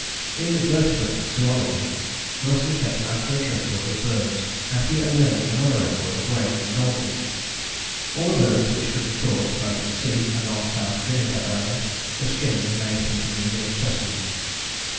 In vertebrate zoology Wilson kept an accurate record of birds, and he and Lillie another record of whales and dolphins. All the birds which could be caught, both at sea and on South Trinidad Island, were skinned and made up into museum specimens.